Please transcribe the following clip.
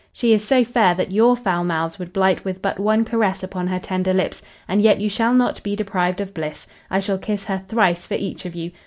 She is so fair that your foul mouths would blight with but one caress upon her tender lips, and yet you shall not, be deprived of bliss. I shall kiss her thrice for each of you.